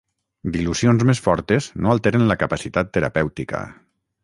Dilucions més fortes no alteren la capacitat terapèutica.